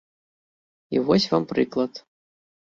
І вось вам прыклад.